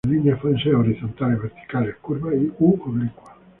Las líneas pueden ser, horizontales, verticales, curvas u oblicuas.